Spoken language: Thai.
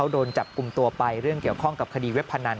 โดนจับกลุ่มตัวไปเรื่องเกี่ยวข้องกับคดีเว็บพนัน